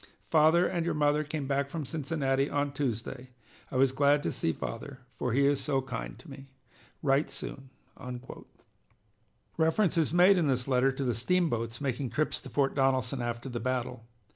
Father and your mother came back from Cincinnati on Tuesday. I was glad to see father, for he is so kind to me. Write soon." Reference is made in this letter to the steamboats making trips to Fort Donelson after the battle.